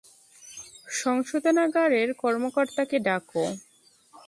সংশোধনাগারের কর্মকর্রতাকে ডাকো।